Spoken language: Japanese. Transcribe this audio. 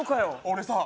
俺さ